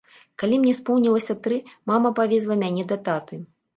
Калі мне споўнілася тры, мама павезла мяне да таты.